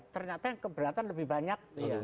ternyata yang keberatan lebih banyak